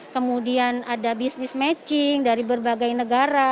kemudian ada bisnis matching dari berbagai negara